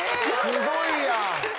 すごいやん。